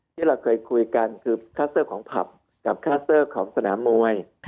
ที่เราเคยคุยกันคือคลัสเตอร์ของผับกับคัสเตอร์ของสนามมวย